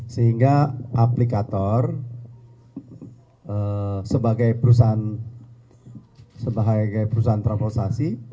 sehingga aplikator sebagai perusahaan transversasi